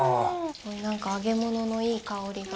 何か揚げ物のいい香りが。